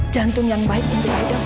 jantung yang baik untuk idol